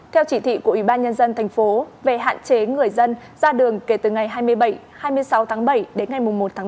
theo chỉ thị của ủy ban nhân dân thành phố về hạn chế người dân ra đường kể từ ngày hai mươi hai mươi sáu tháng bảy đến ngày một tháng tám